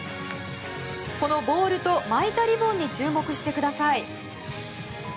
このボールと巻いたリボンに注目してください。